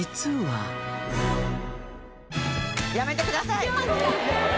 これやめてください！